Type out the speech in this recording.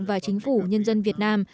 và chính phủ nhân dân việt nam